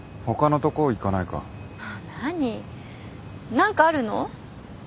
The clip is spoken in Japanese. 何かあるの？